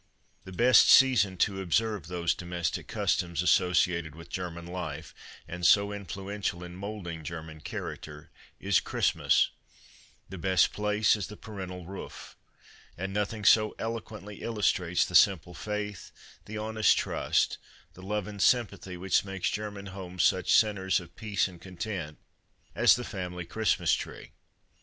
The best season to observe those domestic cus toms, associated with German life and so influential in moulding German character, is Christmas ; the best place is the parental roof, and nothing so eloquently illustrates the simple faith, the honest trust, the love and sympathy, which make German homes such centers of peace and content, as the family Christmas tree.